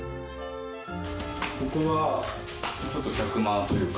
ここはちょっと客間というか。